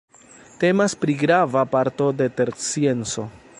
Temas pri grava parto de terscienco.